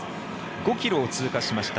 ５ｋｍを通過しました。